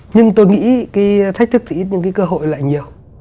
nhưng tôi nghĩ cái thách thức thì ít những cái cơ hội lại nhiều